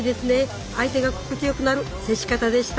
相手が心地よくなる接し方でした。